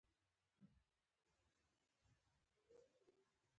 • ثانیه د پایلو جوړونکی ده.